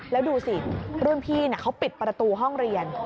แล้วดูสิรุ่นพี่เขาปิดประตูห้องเรียน